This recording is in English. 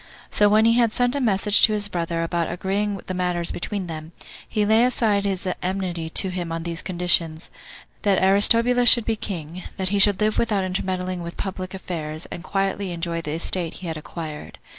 So when he had sent a message to his brother about agreeing the matters between them, he laid aside his enmity to him on these conditions, that Aristobulus should be king, that he should live without intermeddling with public affairs, and quietly enjoy the estate he had acquired.